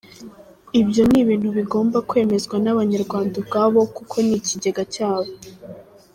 Ibyo ni ibintu bigomba kwemezwa n’Abanyarwanda ubwabo kuko ni ikigega cyabo.